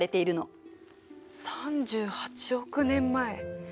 ３８億年前。